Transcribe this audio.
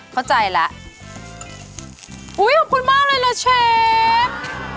เข้าใจแล้วอุ้ยขอบคุณมากเลยนะเชฟ